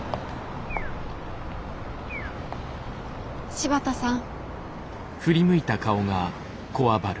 柴田さん。